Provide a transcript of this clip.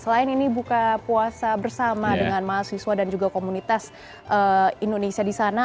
selain ini buka puasa bersama dengan mahasiswa dan juga komunitas indonesia di sana